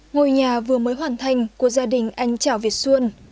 ngôi nhà vừa mới hoàn thành của gia đình anh chảo việt xuân